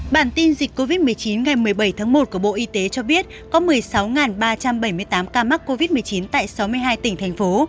bản tin dịch covid một mươi chín ngày một mươi bảy tháng một của bộ y tế cho biết có một mươi sáu ba trăm bảy mươi tám ca mắc covid một mươi chín tại sáu mươi hai tỉnh thành phố